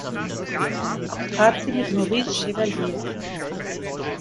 Auch trat sie mit Maurice Chevalier auf.